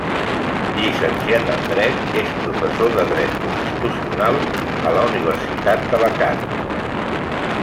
Llicenciat en dret, és professor de dret constitucional a la Universitat d'Alacant.